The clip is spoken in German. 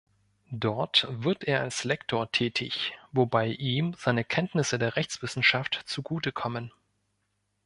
Dort wird er als Lektor tätig, wobei ihm seine Kenntnisse der Rechtswissenschaft zugutekommen.